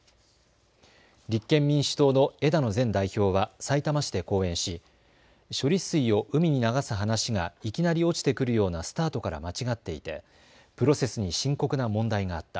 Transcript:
立憲民主党の枝野前代表はさいたま市で講演し処理水を海に流す話がいきなり落ちてくるようなスタートから間違っていてプロセスに深刻な問題があった。